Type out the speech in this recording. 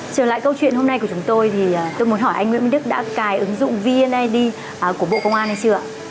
trở lại câu chuyện hôm nay của chúng tôi thì tôi muốn hỏi anh nguyễn minh đức đã cài ứng dụng vneid của bộ công an hay chưa ạ